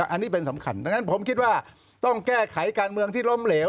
อันนี้เป็นสำคัญดังนั้นผมคิดว่าต้องแก้ไขการเมืองที่ล้มเหลว